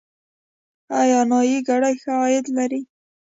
آیا نایي ګري ښه عاید لري؟